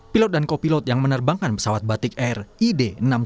pilot dan co pilot yang menerbangkan pesawat batik air id enam ribu tujuh ratus dua puluh tiga